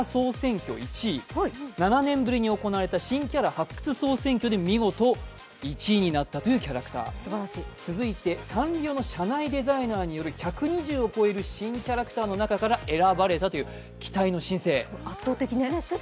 ７年ぶりに行われた新キャラ発掘選挙で見事１位なったというキャラクター続いてサンリオの社内デザイナーによる１２０を超える中から選ばれたという、期待の新星。